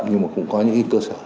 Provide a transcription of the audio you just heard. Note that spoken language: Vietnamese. nhưng mà cũng có những tơ sở